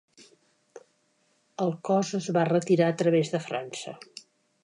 El cos es va retirar a través de França.